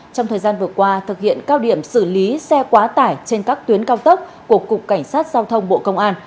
trong thời gian vừa qua thực hiện cao điểm xử lý xe quá tải trên các tuyến cao tốc của cục cảnh sát giao thông bộ công an